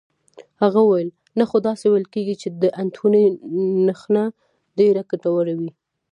هغې وویل: نه، خو داسې ویل کېږي چې د انتوني نخښه ډېره ګټوره وي.